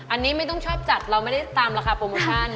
อันนี้ไม่ต้องชอบจัดเราไม่ได้ตามราคาโปรโมชั่น